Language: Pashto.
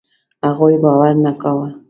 هغوی باور نه کاوه.